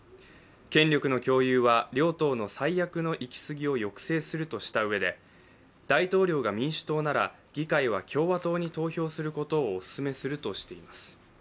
権力の共有は両党の最悪の行き過ぎを抑制するとした上で大統領が民主党なら議会は共和党に投票することをお勧めするとしています。